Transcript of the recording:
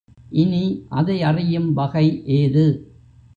இனி அதை அறியும் வகை ஏது?